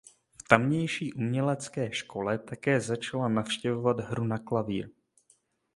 V tamější umělecké škole také začala navštěvovat hru na klavír.